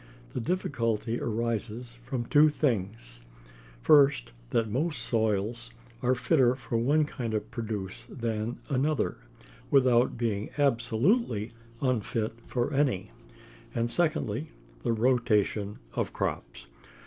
The difficulty arises from two things: first, that most soils are fitter for one kind of produce than another, without being absolutely unfit for any; and, secondly, the rotation of crops.